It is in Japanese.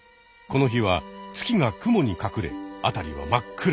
この日は月が雲に隠れ辺りは真っ暗。